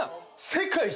世界一！